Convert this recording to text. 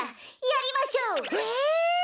やりましょう！